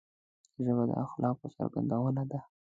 ژبه د اخلاقو څرګندونه ده